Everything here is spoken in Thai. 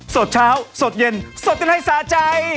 สดเช้าสดเย็นสดกันให้สาใจ